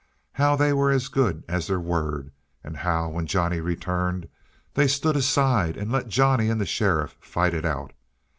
How they were as good as their word and how, when Johnny returned, they stood aside and let Johnny and the sheriff fight it out.